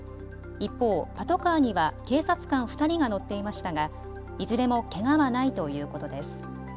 一方、パトカーには警察官２人が乗っていましたがいずれもけがはないということです。